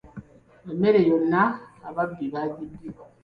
Emmere yonna ababbi bagibbye.